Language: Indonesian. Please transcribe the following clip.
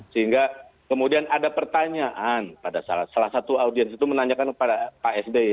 sehingga kemudian ada pertanyaan pada salah satu audiens itu menanyakan kepada pak sby